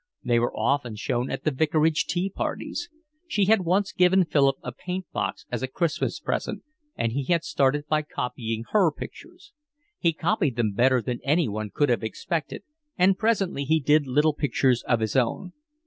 They were often shown at the vicarage tea parties. She had once given Philip a paint box as a Christmas present, and he had started by copying her pictures. He copied them better than anyone could have expected, and presently he did little pictures of his own.